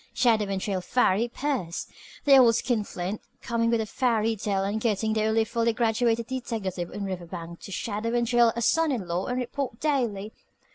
Shadow and trail Farry Pierce! The old skin flint, coming with a fairy tale and getting the only fully graduated deteckative in Riverbank to shadow and trail a son in law and report daily!